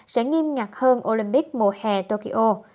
sẽ nghiêm ngặt hơn olympic mùa hè tokyo